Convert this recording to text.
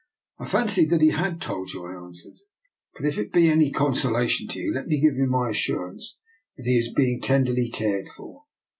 "" I fancied that he had told you," I an swered; but if it be any consolation to you, let me give you my assurance that he is being tenderly cared for.